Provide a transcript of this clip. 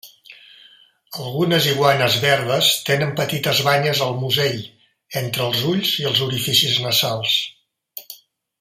Algunes iguanes verdes tenen petites banyes al musell entre els ulls i els orificis nasals.